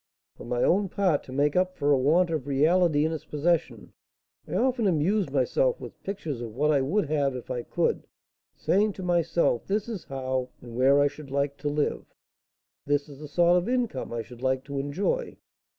"For my own part, to make up for a want of reality in its possession, I often amuse myself with pictures of what I would have if I could, saying to myself, this is how, and where, I should like to live, this is the sort of income I should like to enjoy.